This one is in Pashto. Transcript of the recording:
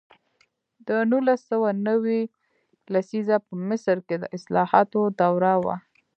د نولس سوه نوي لسیزه په مصر کې د اصلاحاتو دوره وه.